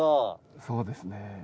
そうですね。